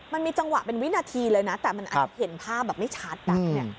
มันมีจังหวะเป็นวินาทีเลยนะแต่มันอาจจะเห็นภาพแบบไม่ชัดแบบนี้